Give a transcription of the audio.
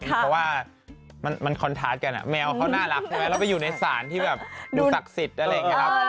เพราะว่ามันคอนทาสกันแมวเขาน่ารักใช่ไหมเราไปอยู่ในศาลที่แบบดูศักดิ์สิทธิ์อะไรอย่างนี้ครับ